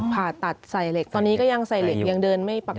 ผ่าตัดใส่เหล็กตอนนี้ก็ยังใส่เหล็กยังเดินไม่ปกติ